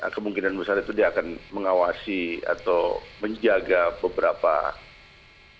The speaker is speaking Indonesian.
kemungkinan besar itu dia akan mengawasi atau menjaga beberapa hal